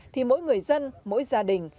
thì mỗi người dân mỗi gia đình